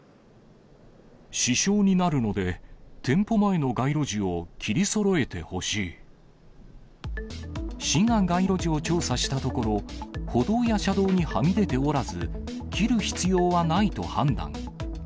支障になるので、店舗前の街市が街路樹を調査したところ、歩道や車道にはみ出ておらず、切る必要はないと判断。